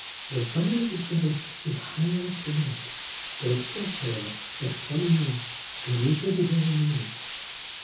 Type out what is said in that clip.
The ffynnon of the Severn is higher up the nant. Don't fret, however, but follow me, and we shall be there in a minute."